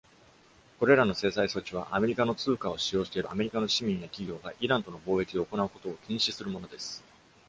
これらの制裁措置は、アメリカの通貨を使用しているアメリカの市民や企業がイランとの貿易を行うことを禁止するものです。